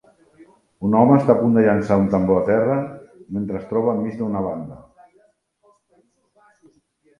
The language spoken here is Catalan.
Un home està a punt de llançar un tambor a terra mentre es troba enmig d'una banda